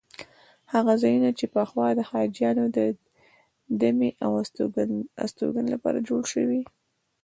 هغه ځایونه چې پخوا د حاجیانو دمې او استوګنې لپاره جوړ شوي.